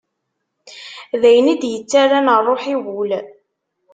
D ayen i d-ittarran rruḥ i wul.